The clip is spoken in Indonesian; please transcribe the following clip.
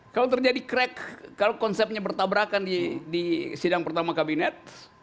kalau terjadi crack kalau konsepnya bertabrakan di sidang pertama kabinet